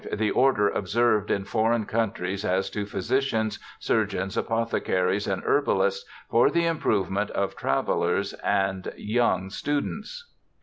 The order observed in foreign countries as to physicians, surgeons, apothecaries, and herbalists for the improvement of travellers and young students.'